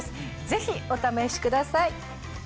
ぜひお試しください。